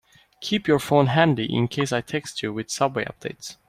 Keep your phone handy in case I text you with subway updates.